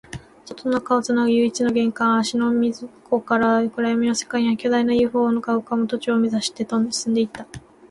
外と中をつなぐ唯一の玄関、芦ノ湖から暗闇の世界に入り、巨大な ＵＦＯ が浮ぶ都庁を目指して進んでいった